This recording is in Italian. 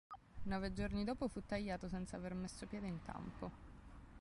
Nove giorni dopo fu tagliato senza aver messo piede in campo.